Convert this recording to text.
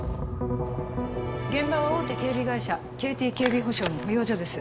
現場は大手警備会社ＫＴ警備保障の保養所です